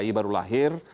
jadi baru lahir